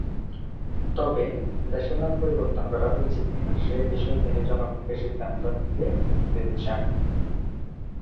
তবে, দেশের নাম পরিবর্তন করা উচিত কিনা সে বিষয়ে তিনি জনগণকে সিদ্ধান্ত নিতে দিচ্ছেন।